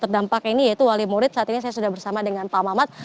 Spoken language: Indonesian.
terdampak ini yaitu wali murid saat ini saya sudah bersama dengan pak mamat